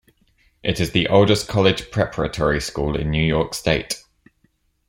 It is the oldest college preparatory school in New York State.